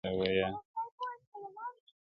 پلار یې تېر تر هدیرې سو تر قبرونو٫